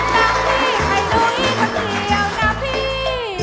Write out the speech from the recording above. ตั้งที่ไข่หนุ่มกันเดียวนะพี่